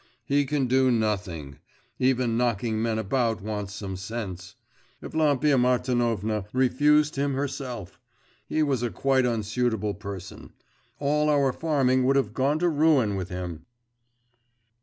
He can do nothing; even knocking men about wants some sense. Evlampia Martinovna refused him herself. He was a quite unsuitable person. All our farming would have gone to ruin with him!